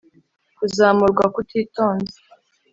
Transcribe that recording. kuzamurwa kutitonze